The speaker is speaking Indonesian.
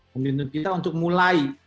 momentum kita untuk mulai